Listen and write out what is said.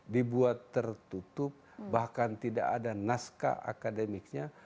dibuat tertutup bahkan tidak ada naskah akademiknya